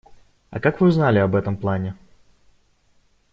А как вы узнали об этом плане?